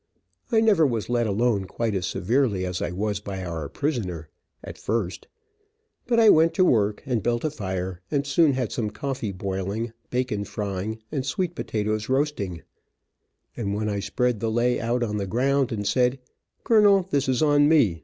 I never was let alone quite as severely as I was by our prisoner, at first. But I went to work and built a fire, and soon had some coffee boiling, bacon frying, and sweet potatoes roasting, and when I spread the lay out on the ground, and said, "Colonel, this is on me.